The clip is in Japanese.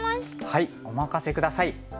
はいお任せ下さい！